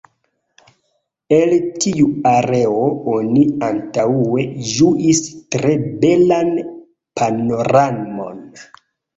El tiu areo oni antaŭe ĝuis tre belan panoramon.